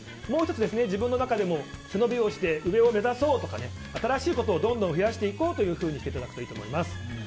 もう１つ自分の中でも背伸びをして上を目指そうとか新しいことをどんどん増やしていこうというふうにしていただくといいと思います。